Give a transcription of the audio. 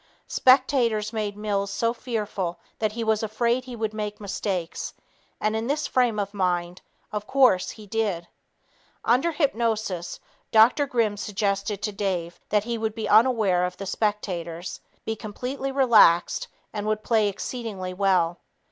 Spectators made Mills so fearful that he was afraid he would make mistakes and in this frame of mind, of course, he did. Under hypnosis, Dr. Grimm suggested to Dave that he would be unaware of the spectators, be completely relaxed and would play exceedingly well.